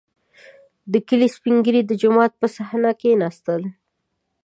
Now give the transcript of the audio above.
• د کلي سپین ږیري د جومات په صحنه کښېناستل.